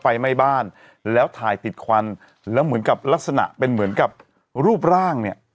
ไฟไหม้บ้านแล้วถ่ายติดควันแล้วเหมือนกับลักษณะเป็นเหมือนกับรูปร่างเนี่ย